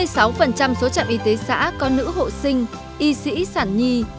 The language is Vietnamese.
hai mươi sáu số trạm y tế xã có nữ hộ sinh y sĩ sản nhi